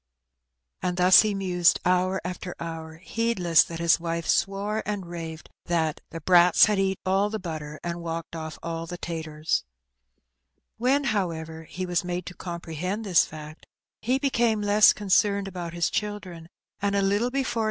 And thus he mused hour after hour, heedless that his wifa swore and raved that "the brats had eat all the butter, and. walked ofiF all the taturs." When, however, he was made to comprehend this fact, h& became less concerned about his children, and a little before "Oh, Death! What Dost Thou Mean?"